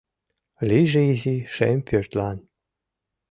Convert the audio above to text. Лийже изи шем пӧртлан.